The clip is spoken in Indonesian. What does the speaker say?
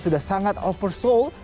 sudah sangat oversold